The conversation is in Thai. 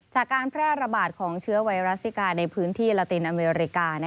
จากการแพร่ระบาดของเชื้อไวรัสซิกาในพื้นที่ลาตินอเมริกา